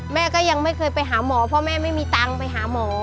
แม่ก็ยังไม่เคยไปหาหมอเพราะแม่ไม่มีตังค์ไปหาหมอ